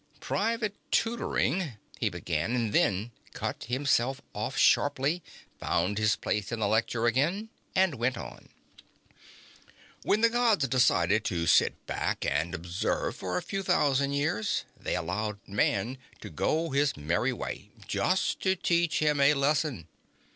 Private tutoring ... he began, and then cut himself off sharply, found his place in the lecture again and went on: "When the Gods decided to sit back and observe for a few thousand years, they allowed Man to go his merry way, just to teach him a lesson."